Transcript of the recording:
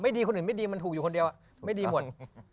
ดีคนอื่นไม่ดีมันถูกอยู่คนเดียวไม่ดีหมด